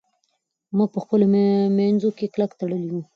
موږ په خپلو منځونو کې کلک تړلي یو.